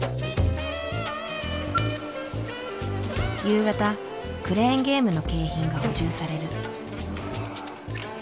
夕方クレーンゲームの景品が補充される。